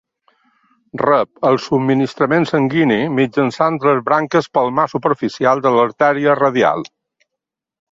Rep el subministrament sanguini mitjançant les branques palmar superficial de l'artèria radial.